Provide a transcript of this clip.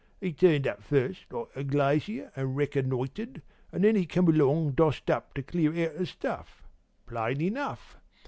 'E'd turned up first like a glazier, and reconnoitred, an' then he'd come dossed up to clear out the stuff. Plain enough.